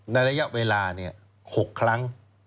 ในระยะเวลาเนี่ย๖ครั้ง